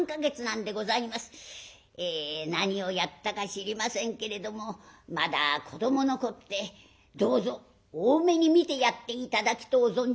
え何をやったか知りませんけれどもまだ子どものこってどうぞ大目に見てやって頂きとう存じますが」。